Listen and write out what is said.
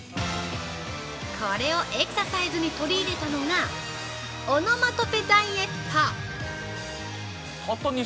これをエクササイズに取り入れたのが、オノマトペダイエット！